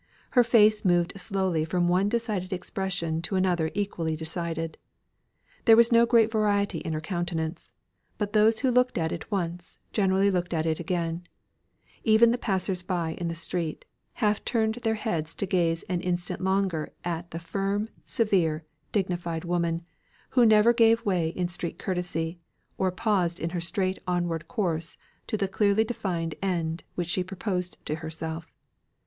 Her face moved slowly from one decided expression to another equally decided. There was no great variety in her countenance; but those who looked at it once, generally looked at it again; even the passers by in the street, half turned their heads to gaze an instant longer at the firm, severe, dignified woman, who never gave way in street courtesy, or paused in her straight onward course to the clearly defined end which she proposed to herself.